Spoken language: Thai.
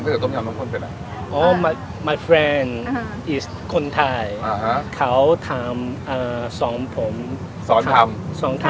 คนทรงคลุมทำก๋วยเตี๋ยวต้มยำหลังไปไหน